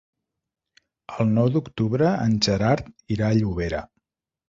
El nou d'octubre en Gerard irà a Llobera.